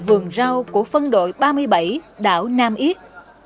vườn rau của phân đội ba mươi bảy đảo nam yết